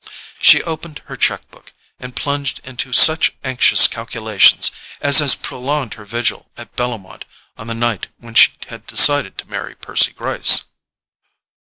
She opened her cheque book, and plunged into such anxious calculations as had prolonged her vigil at Bellomont on the night when she had decided to marry Percy Gryce.